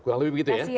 kurang lebih begitu ya